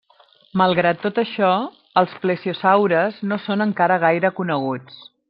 Malgrat tot això, els plesiosaures no són encara gaire coneguts.